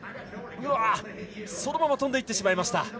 そのままとんでいってしまいました。